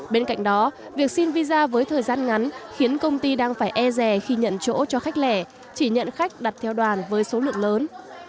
bên cạnh đó việc xin visa với thời gian ngắn khiến công ty đang phải e rè khi nhận chỗ cho khách lẻ chỉ nhận khách đặt theo đoàn với số lượng lớn